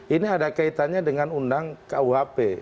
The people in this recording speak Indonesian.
ini ada kaitannya dengan undang kuhp